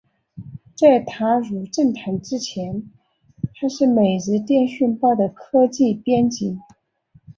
在踏入政坛之前他是每日电讯报的科技编辑。